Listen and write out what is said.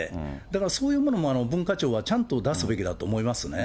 だからそういうものも、文化庁はちゃんと出すべきだと思いますね。